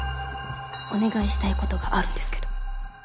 お願いしたいことがあるんですけど。